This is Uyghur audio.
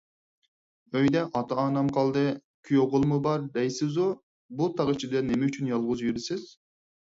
ئۆيدە ئاتا - ئانام قالدى، كۈيئوغۇلمۇ بار، دەيسىزۇ، بۇ تاغ ئىچىدە نېمە ئۈچۈن يالغۇز يۈرىسىز؟